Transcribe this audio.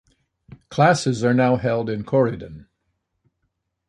Classes are now held in Corydon.